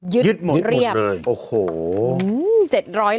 ยึดเรียบยึดหมดเลยโอ้โห